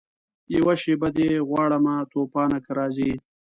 یوه شېبه دي غواړمه توپانه که راځې